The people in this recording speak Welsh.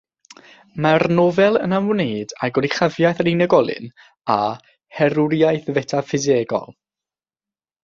Mae'r nofel yn ymwneud â goruchafiaeth yr unigolyn a “herwriaeth fetaffisegol”.